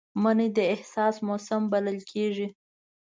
مني د احساس موسم بلل کېږي